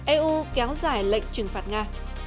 eu kéo giải lệnh trừng phạt nga